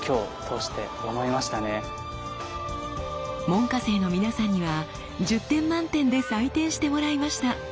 門下生の皆さんには１０点満点で採点してもらいました。